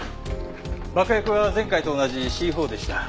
爆薬は前回と同じＣ−４でした。